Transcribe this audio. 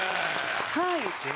はい。